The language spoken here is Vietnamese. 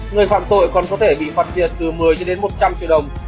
người phạm tội còn có thể bị phạt tiền từ một mươi một trăm linh triệu đồng